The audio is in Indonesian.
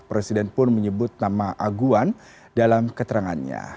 presiden pun menyebut nama aguan dalam keterangannya